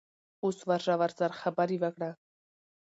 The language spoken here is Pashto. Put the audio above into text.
اوس ورشه ورسره خبرې وکړه.